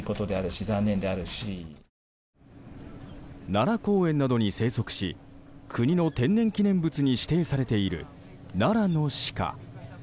奈良公園などに生息し国の天然記念物に指定されている奈良のシカ。